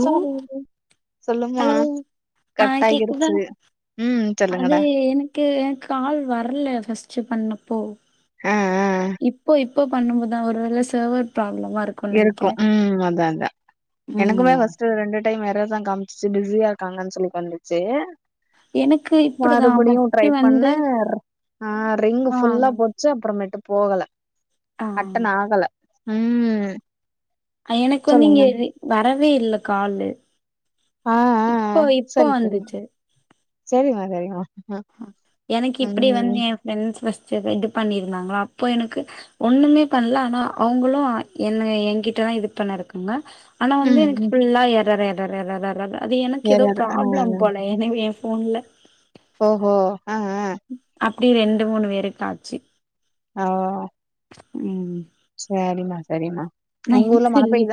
ஓ சாமி என்து சொல்லுமா ஹலோ ஆ கட் கேக்குதா ஆகிருச்சு ம் சொல்லுங்கடா க்கு கால் வரல ஃபஸ்ட்டு பண்ணப்போ ஆ ஆ இப்போ இப்போ பண்ணும்போத் தா ஒருவேள சர்வர் ப்ராப்ளமா இருக் இருக்கு ம் அதா அதா எனக்குமே ம் ஃபஸ்ட்டு ரெண்டு டைம் வேற இதா காமிச்சுச்சு பிஸியா இருக்காங்கன்னு சொல்லி வந்துச்சு எனக்கு இப்டிதா மறுபடியு ட்ரை ஃபர்ஸ்ட்டு பண்ண வந்து ஆஹ் ரிங்கு ஆ ஃபுல்லா போ ச்சு அப்றமேட்டு போகல ஆ அட்டன் ஆகல ம் அ எனக்கு வந்து சொல்லுங்க இங்க ரி வரவே இல்ல காலு ஆஹ் ஆஹ் இப்போ ஆஹ் இப்போ செரிங் தோழி வந்துச்சு செரிங்மா செரிங்கமா எனக்கு இப்டி வந்து என் ஃப்ரெண்ட்ஸ்ஸஸ் இது பண்ணிருந்தாங்களா அப்போ எனக்கு ஒண்ணுமே பண்ணல ஆனா அவங்களு என்ன என்கிட்டதா இது பண்ண இருக்காங்க ஆனா வந்து ம் எனக்கு ம் ஃபுல்லா எறர் எறர் எறறறறர் அது எனக்கு ஏதோ எரர் ஆ ப்ராப்ளம் போல ஏ ஃபோன்ல ஓஹோ ஆஹ் ஹ அப்டி ரெண்டு மூணு பேருக்கு ஆச்சு ஆஹ் உம் செரிமா செரிம்மா நா என்ன சொல்லி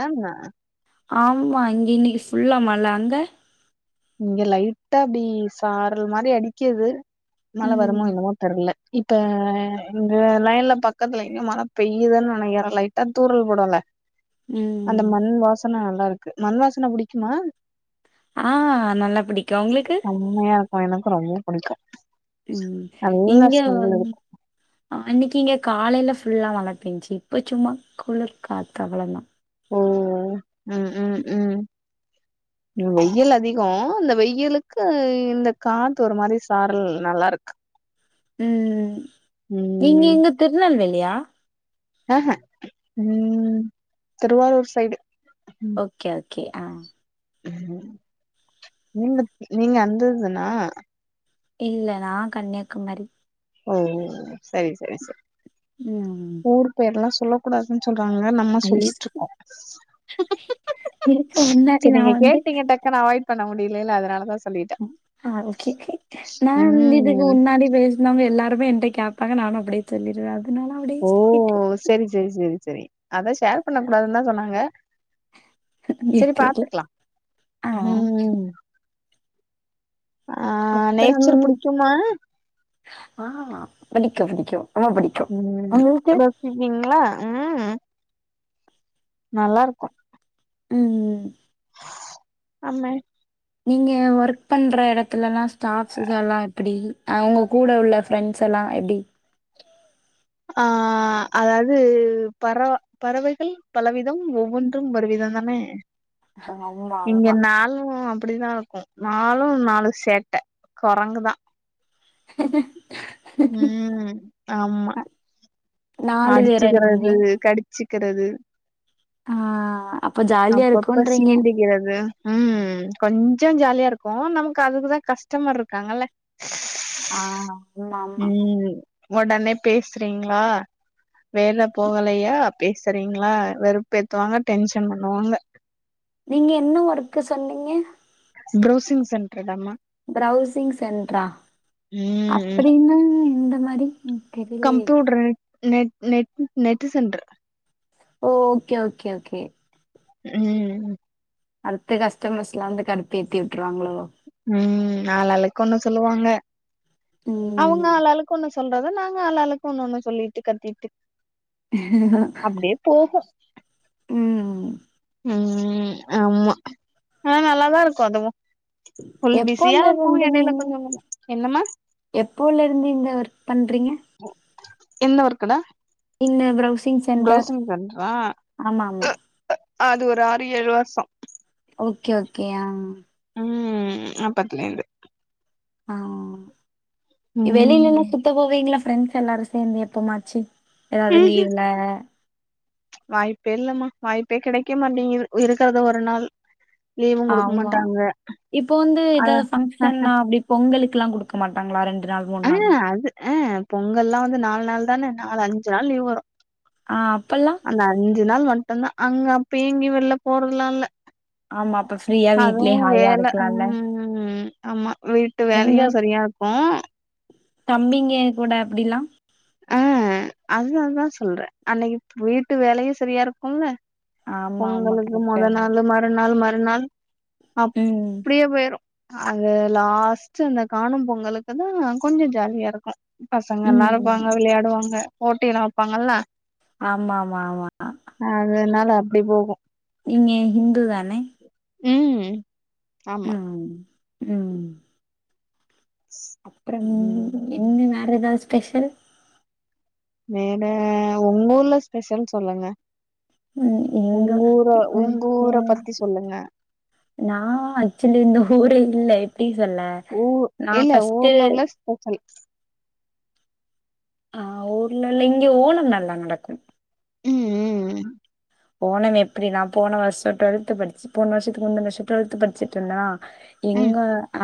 ஆமா இங்க இன்னைக்கு ஃபுல்லா மழ அங்க இங்க லைட்டா அப்டி சாரல் மாரி அடிக்கிது மழ வருமோ ம் என்னமோ தெர்ல இப்ப இந்த லைன்ல பக்கத்துல எங்கயோ மழை பெய்யுதுன்னு நெனைக்கற லைட்டா தூறல் போடல ம் அந்த மண் வாசன நல்லாருக்கு மண் வாசன புடிக்குமா ஆஹ் நல்லா பிடிக்கு உங்களுக்கு உண்மயா பா எனக்கு ரொம்ப புடிக்கு உம் நல்ல இங்க ஸ்மெல் வந் இருக்கு அன்னைக்கு இங்க காலையில ஃபுல்லா மழ பெஞ்ச்சி இப்போ சும்மா குளிர்க்காத்து அவ்ளவா ஓ ம் ம் ம் வெயில் அதிகோ இந்த வெயிலுக்கு இந்த காத்து ஒரு மாரி சாரல் நல்லாருக்கு ம் ம் நீங்க இங்க திருநெல்வேலியா ஆஹ்ஹ ம் திருவாரூர் சைடு ஓகே ஓகே ஆ ம் நீங்க நீங்க அந்த ஊர்தானா இல்ல நா கன்னியாகுமரி ஓ சரி சரி சரி ம் ஊர் பேர்ல்லா சொல்லக் கூடாதுன் சொல்றாங்க நம்ம ஐஸ் சொல்லிட்ருக்கோ இதுக்கு முன்னாடி நா வந் கேட்டிங்க டக்குனு அவாய்ட் பண்ண முடியல அதனால தா ஆஹ் ஓகே ஓகே நான் இதுக்கு ம் முன்னாடி பேஸ் ணவங்க எல்லாருமே என்ட்ட கேப்பாங்க நானும் அப்டியே சொல்லிடுவே அதனால அப்டியே ஓ சொல்லிட்டே சரி சரி சரி சரி அத ஷேர் பண்ண கூடாதுன்னு தா சொன்னாங்க ஏ செரி தெர்ல பாத்துக்லா ஆ உம் அப்புறம் நேச்சர் புடிக்குமா ஆஹ் புடிக்கு புடிக்க ரொம்ப புடிக்கு உம் ரெசிப்பீங்ளா உம் நல்லாருக்கு ம் அம்மே நீங்க ஒர்க் பண்ற எடத்துலல்லா ஸ்டாப்ஸ்ங்கலா எப்டி அவ்ங்க கூட உள்ள ஃப்ரெண்ட்ஸ்ஸெல்லா எப்டி ஆஹ் அதாவது பறவ பறவைகள் பலவிதம் ஒவ்வொன்றும் ஒரு விதம் தானே ஆமா இங்க ஆமா நாலு அப்டிதா நாலும் நாலு சேட்ட கொரங்குதா ம் ஆமா நாலு பேரா நீங்க அடிச்சுகிறது கடிச்சிக்கிறது ஆ அப்ப ஜாலியா அப்பப்ப இருக்குன்றீங்க சீண்டிகிறது ம் கொஞ்ச ஜாலியாருக்கு நமக்கு அதுக்குதா கஷ்டமர்ருக்காங்கல்ல ஆ ஆமா ஆமா ம் ஒடனே பேசுறீங்ளா வேலப் போகலையா பேசுறீங்ளா வெறுப்பேத்துவாங்க டென்ஷன் பண்ணுவாங்க நீங்க என்ன ஒர்க்கு சொன்னிங்க பிரவுசிங் சென்ட்ருதாம்மா பிரவுசிங் சென்ட்ரா ம் அப்டின்னா எந்த மாரி தெரிலயே computer net net net centre ஓ ஓகே ஓகே ஓகே ம் அடுத்த கஸ்டமர்ஸ்லா வந்து கடுப்பு ஏத்தி விட்ருவாங்ளோ ம் ஆள் ஆளுக்கு ஒன்னு சொல்லுவாங்க ம் அவுங்க ஆளாளுக்கு ஒன்னு சொல்றத நாங்க ஆளாளுக்கு ஒன்னு ஒன்னு சொல்லீட்டு கத்தீட்டு அப்டியே போகு ம் ம் ஆம்மா ஆ நல்லாதாருக்கு அதுவு ஃபுல் எப்போல பிஸியாருக்கு எடைல கொஞ்சோ கொஞ்சோ என்னம்மா எப்போலருந்து இந்த ஒர்க் பண்றிங்க ஓ என்ன ஒர்க்குடா இன்ன பிரவுசிங் சென்டர் ப்ரௌசிங் சென்டரா ஆமா ஆமா அது ஒரு ஆறு ஏழு வர்ஷோ ஓகே ஓகே ஆம் ம் அப்பத்லேந்து ஆ ம் வெளிலெல்லா சுத்த போவீங்ளா ப்ரெண்ட்ஸ் எல்லாரு சேந்து எப்போமாச்சி எதாவது ம்ஹூம் லீவ்ல வாய்ப்பே இல்லமா வாய்ப்பே கிடைக்க மாட்டேங்கிது இருக்கறத ஒரு நாள் லீவு குடுக்க ஆமா மாட்டாங்க இப்போ வந்து அ எதாவது ஃபங்க்ஷன்னா அப்டிப் பொங்கலுக்லா குடுக்க மாட்டாங்ளா ரெண்டு நாள் மூன் நாள் அ பொங்கல்லா வந்து நால் நாள் தான நாலு அஞ்சு நாள் லீவ் வரு ஆ அப்பல்லா அந்த அஞ்சு நாள் மட்டுந்தா அங்க அப்ப எங்கியு வெள்ல போறதுலா இல்ல ஆமா அப்பச் அதுவு வேல ம் ஆமா வீட்டு வேலையு உங்க சரியாக்கு தம்பிங்க கூட அப்டிலா அ அதுனால்தா சொல்றே அன்னைகிப் பீட்டு வேலையு செரியாருக்கு இல்ல ஆமா ஆமா பொங்கலுக்கு கரெக்ட்டு மொதநாளு மறுநாள் மறுநாள் ம் அப்டியே போயிரு அது லாஸ்ட்டு அந்த காணும் பொங்கலுக்குதா கொஞ்ச ஜாலியாருக்கு ம் பசங்களாருப்பாங்க விளையாடுவாங்க போட்டிலா வெப்பாங்கள்ல ஆமா மா மா அதனால அப்டி போகு நீங்க ஹிந்து தானே ம் ஆமா ம் ம் அப்றம் ம் என்ன வேற எதாது ஸ்பெஷல் வேற ஒங்கூர்ல ஸ்பெஷல் சொல்லுங்க ம் எங்க ஒங்கூரா ஒங்கூர ம் பத்தி சொல்லுங்க நா ஆக்சுவலி இந்த ஊரே இல்ல எப்டி சொல்ல ஊ நா இல்ல ஃபஸ்ட்டு ஊர்ல உள்ள ஸ்பெஷல் ஆ ஊர்லவுள்ள இங்க ஓணம் நல்லா நடக்கும் ம் ம் ம் ஓணம் எப்டி நா போன வர்ஷோ டொல்த்து படிச்சி போன வர்ஷத்துக்கு முந்துன வர்ஷோ டொல்த்து படிச்சுட்ருன்னா ம் எங்க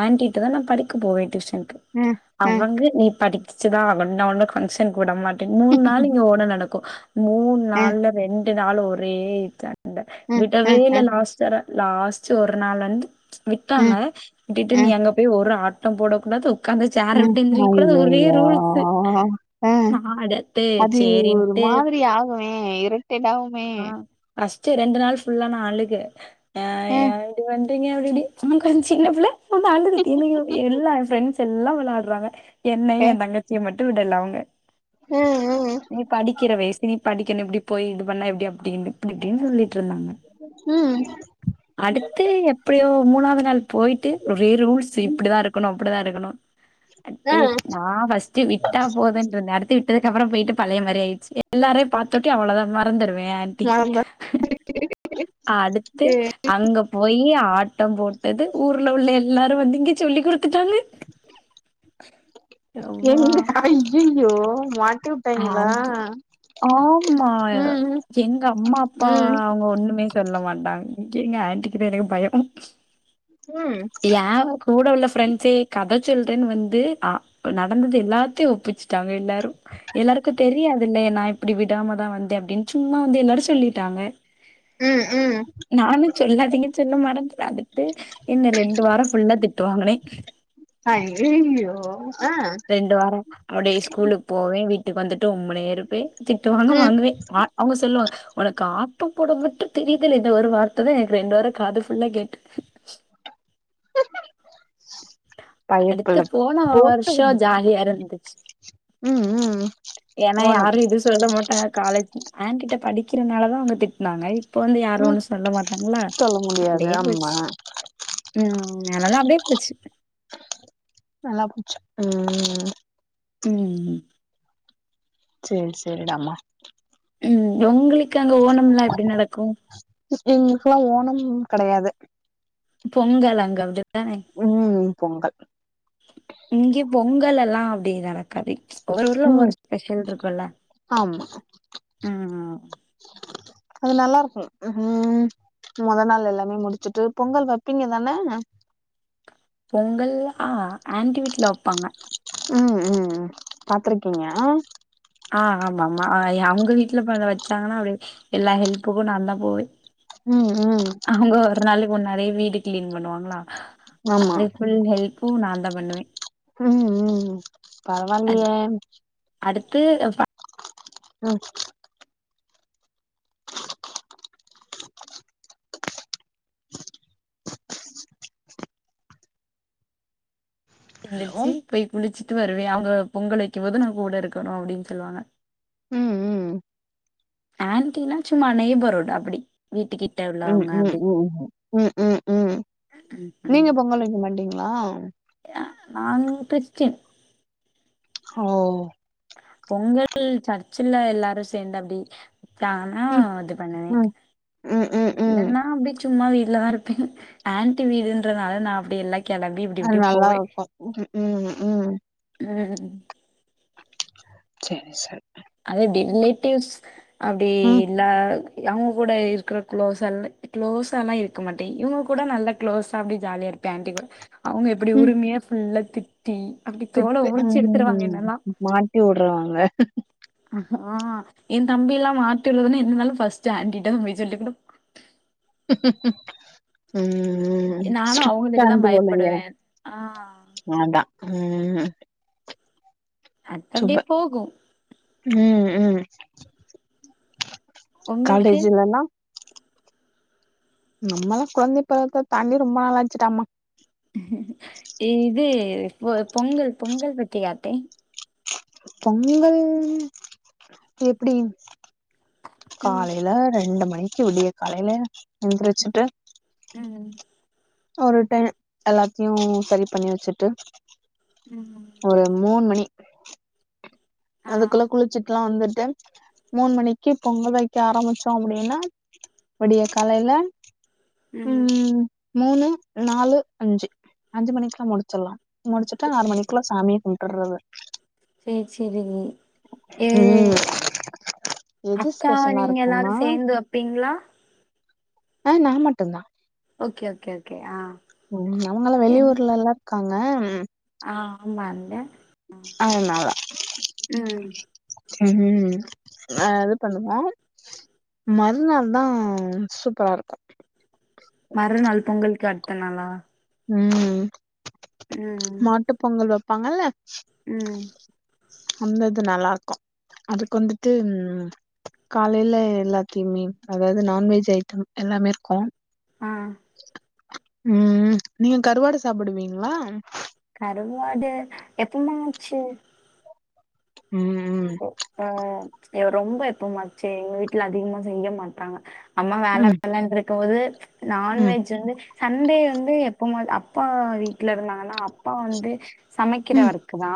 ஆன்ட்டி ட்டதா நா படிக்க போவே டியூசனுக்கு ம் ம் அவங்க நீ படி ச்சுதா ஆகணு நா ஒன்ன கங்க்ஷன்க்கு வுட மாட்டேன் மூண் நாள் இங்க ஓணோ நடக்கு மூண் ம் நாள்ல ரெண் டு நாள் ஒரே சண்ட ம் ம் விடவே ம் இல்ல ம் லாஸ்ட்டர லாஸ்ட்டு ஒரு நாள் வந்து விட்டாங்க ம் விட்டுட்டு நீ ம் அங்க போய் ஒரு ஆட்டோ போடக்கூடாது ஒக்காந்த சேர ம் விட்டெந்திரிக்க கூடாது ஒரே ஐயையோ ரூல்ஸ்ஸு ஆ நா அடத்து அது சேரின் ஒரு மாதிரி ஆகுமே இருடேட்டாகு ஆ ஃபர்ஸ்ட்டு ரெண்டு நாள் ஃபுல்லா நா அழுக அ ஆ ய நீங்க வன்ட்டீங்க ஆல்ரெடி [unintelligible] சின்னபுள்ள ரொம்ப அழுதுக்கு என்னயு எல்லா ஃப்ரெண்ட்ஸ் ஸெல்லா வெளாட்றாங்க என்னயு எ தங்கச்சிய மட்டு விடல அவுங்க ஆ ஆ அ நீ படிக்கிற வய்சு நீ படிக்கணு இப்டி போய் இது பண்ணா எப்டி அப்டின்னு அப்டிஇப்டின் சொல்லி ம் அடுத்து எப்பயோ மூணாவ்து நாள் போய்ட்டு ஒரே ரூல்ஸ்ஸு இப்டிதாருக்கணு அப்டிதாருக்கணு ஆ நா ஃபஸ்ட்டு விட்டா போதுன்ட்ருந்தே அடுத்து விட்டதுக்கப்றோ போய்ட்டு பழைய மாரி ஆய்ர்ச்சி எல்லாரயு பாத்தோட்டி அவ்ளோ தா மறந்துருவே ஏ ஆன்ட்டி மறந்துட்டு அடுத்து அங்க போயி ஆட்டோ‌போட்டது ஊர்ல உள்ள எல்லாரு வந்து இங்க சொல்லி குடுத்துட்டாங்க யவ்வா என்ன அய்யய்யோ மாட்டி விட்டாய்ங்களா ஆன்ட்டி ஆமா ம் ம் எங்கம்மாப்பா ம் அவுங்க ஒண்ணுமே சொல்ல மாட்டாங் எங்க ஆன்டிக்கித்தா எனக்கு பயோ ம் எ யாருக் கூட உள்ள ஃப்ரெண்ட்ஸே கத சொல்றேன் வந்து அ நடந்தது எல்லாத்தியு ஒப்பிச்சுட்டாங்க எல்லாரு எல்லாருக்கு தெரியாதுல நா இப்டி விடாமதா வந்தே அப்டின் சும்மா வந்து எல்லாரு சொல்லிட்டாங்க ம் ம் நானு சொல்லாதீங்க சொல்ல மறந்துராந்துட்டே என்ன ரெண்டு வாரோ ஃபுல்லா திட்டு வாங்குனே அய்யய்யோ ஆ ரெண்டு வாரோ அப்டியே ஸ்கூலுக்கு போவே வீட்டுக்கு வந்துட்டு உம்முனே இருப்பே திட்டு வாங்கு ம் வாங்குவே அவுங்க சொல்லுவா ஒனக்கு ஆட்டோ போட மட்டு தெரிதுல இந்த ஒரு வார்த்த தா எனக்கு ரெண்டு வாரோ காது ஃபுல்லா கேட்டு பயப்புள்ள அடுத்து போன போட்டு வருஷம் குடுத்துட்டாய்ங்க ஜாலியா ம் ம் ஏனா ஓனம் யாரு எது சொல்ல மாட்டாங்க காலேஜ் ஆன்ட்டிட்ட படிக்கிறனால தா அவுங்க திட்னாங்க இப்போ வந்து யாரு ம் ஒன்னு சொல்ல மாட்டாங்ள சொல்ல முடியாது அப்டியே போச்சு ஆமா ம் அதல்லா அப்டியே போச்சு நல்லா போச்சு ம் ம் ம் சேர் சேரிடாமா ம் ஒங்ளுக்கு அங்க ஓணம்ல்லா எப்டி நடக்கு எங்ளுக்லா ஓணம் கெடயாது பொங்கல் அங்க அது உம் பொங்கல் இங்க பொங்கல் எல்லா அப்டி நடக்காது ஒவ்வொரு ஊர்ல ம் ஒவ்வொரு ஸ்பெஷல் இருக்குல்ல ஆமா ம் அது நல்லா இருக்கும் உம் மொத நாள் எல்லாமே முடிச்சுட்டு பொங்கல் வப்பீங்க தானே பொங்கல்லா ஆன்டி வீட்ல வெப்பாங்க ம் ம் ம் பாத்துருக்கீங்க ஆ ஆமாமா அ எ அங்க வீட்ல இப்பர வச்சாங்கன்னா அப்டி எல்லா ஹெல்ப்புக்கு நான்தா போவே ம் ம் அவுங்க ஒரு நாளைக்கு முன்னாடியே வீடு கிளீன் பண்ணுவாங்களா ஆமா அது ஃபுல் ஹெல் ப்பு நா தா பண்ணுவே ம் ம் அது பரவாயில்லியே அடுத்து ம் ஹலோ எந்திரிச்சு போய் குளிச்சிட்டு வருவே அவுங்க பொங்கல் வைக்கு போது நா கூட இருக்கனு அப்டின் சொல்லுவாங்க ம் ம் ஆன்ட்டினா சும்மா நெய்பர்ஹுட் அப்டி வீட்டு கிட்ட உம் உம் உம் ம் ம் ம் ம் ம் நீங்க பொங்கல் வைக்க மாட்டீங்களா நாங் கிறிஸ்டின் ஓ பொங்கல் சர்ச்சில எல்லாரு சேந்த அப்டி தானா ம், இது பண்ணுவே ம், ம், ம், ம். இல்லனா அப்டி சும்மா வீட்லதா இருப்பே ஆன்ட்டி வீடுன்றனால நா அப்டி எல்லா கெளம்பி இப்டி அ இப்டி நல்லா போவே இருக்கு உம் உம் ம் சேரி சார் அத எப்டி ரிலேட்டிவ்ஸ் அப்டி ம், எல்லா அவங்க கூட இருக்கிற க்ளோஸ க்ளோஸால்லா இருக்க மாட்டே இவுங்க கூட நல்ல க்ளோஸா அப்டே ஜாலியா இருப் பே ஆன்ட்டி கூட அவுங்க எப்டி ம். உரிமையா ஃபுல்ல திட்டி அப்டி தோல உரிச்சி எடுத்துருவாங்க என்னல்லா ட்டி உடுறாங்க ஆ என் தம்பி எல்லா மாட்டி உட்றதுன்னா என்னாலு ஃபஸ்ட்டு ஆன்டிட்டதா போய் சொல்லி புடு [inaudible] உம் உம் நானு ஸ்ட்ரிக்ட் அவங்களுக்கு தா ஆன்ட்டி போலயே பயப்படுவே ஆ அதா உம் அ அப்டே போகு உம் உம் உங்களுக்கு காலேஜ் இல்லனா நம்மளா கொழந்தை பருவத்த தாண்டி ரொம்ப நாள் ஆச்சுடாம்மா இது பொங்கல் பொங்கல் பத்தியா அத்தை பொங்கல் எப்டி ம் காலையில ரெண்டு மணிக்கு விடிய காலையில எந்திரிச்சிட்டு ம் ஒரு டை எல்லாத்தியு சரி பண்ணி வச்சிட்டு ம் ஒரு மூண் மணி ஆ அதுக்குள்ள குளிச்சிட்லா வந்துட்டு மூண் மணிக்கி பொங்கல் வைக்க ஆரம்பிச்சோ அப்டின்னா விடிய காலையில ம் மூணு நாலு அஞ்சு அஞ்சு மணிக்குல முடிச்சல்லா முடிச்சிட்டு ஆறு மணிக்குள்ள சாமியே கும் டர்றது சேர் செரி மி ஏ ம் எது அக்கா ஸ்பெஷலா நீங்க எல்லாரு இருக்கும்னா சேந்து வப்பீங்ளா ஆ நா மட்டு தா ஓகே ஓகே ஓகே ஆ உம் அவுங்கல்லா என் வெளியூர்ல எல்லா இருக்காங்க ம் ஆ ஆமாந்த அதனால ம் உம் ஆ இது பண்ணுவ மறுநாள் தா சூப்பரா இருக்கு மறுநாள் பொங்கலுக்கு அடுத்த நாளா உம் மாட்டு பொங்கல் வப்பாங்கல்ல உம் அந்தது நல்லாருக்கு அதுக்கு வந்துட்டு காலைல எல்லாத்தியுமே அதாது நான்வெஜ் ஐட்டம் எல்லாமே இருக்கும் ஆ உம் உம் நீங்க கருவாடு சாப்புடுவீங்களா கருவாடு எப்பமாச்சு உம் ஆ ரொம்ப எப்பமாச்சு எங்க வீட்ல அதிகமா செய்ய மாட்டாங்க அம்மா வேல ம் வேலன் இருக்கும் போது ம் நான்வெஜ் வந்து சண்டே வந்து எப்போமாது அப்பா வீட்டுல இருந்தாங்கன்னா அப்பா வந்து சமைக்கிற ம் ஒர்க்கு தா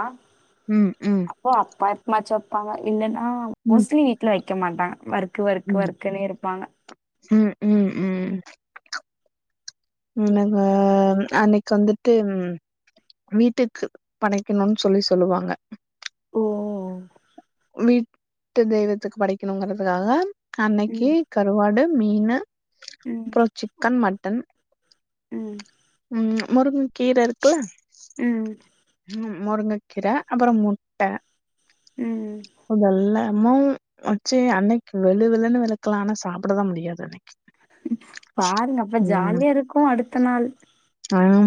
ம் ம் அப்போ அப்பா எப்பமாச்சு வப்பாங்க இல்லன்னா ம் மோஸ்ட்லி வீட்ல வைக்க மாட்டாங்க வொர்க் வொர்க் வொர்க்குனே இருப்பாங்க உம் உம் உம் எனக்கு [unintelligible] அன்னைக்கு வந்துட்டு வீட்டுக்கு படைக்கணோன்னு சொல்லி சொல்லுவாங்க ஓ வீட்டு தெய்வத்துக்கு படைக்கணுங்கிறதுக்காக அன்னைக்கு ம் கருவாடு மீனு ம் அப்புறோ சிக்கன் மட்டன் ம் ம் முருங்கக் கீர இருக்குல ம் ம் முருங்கக்கீர அப்புறம் முட்ட ம் அதெல்லா அம்மாவு வச்சு அன்னைக்கு வெளு வெளுன்னு வெளுக்கலா ஆனா சாப்டதான் முடியாது பாருங்க அப்ப ஜாலியா இருக்கு அடுத்த நாள் ஆம்